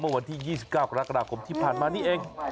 วันที่๒๙กรกฎาคมที่ผ่านมานี่เอง